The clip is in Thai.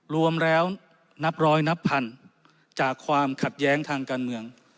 รวมแล้วนับร้อยนับพันจากความขัดแย้งทางการเมือง